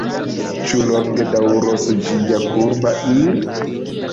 Ĉu longe daŭros ĝia kurba ir’?